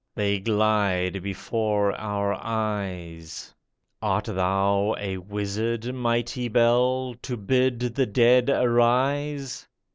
They glide before our eyes !— Art thou a wizard, mighty bell, To bid the dead arise